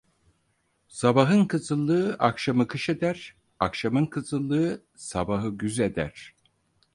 Sabahın kızıllığı akşamı kış eder; akşamın kızıllığı sabahı güz eder.